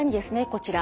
こちら